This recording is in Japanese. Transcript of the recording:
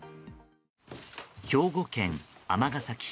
兵庫県尼崎市。